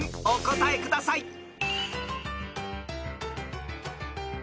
お答えください］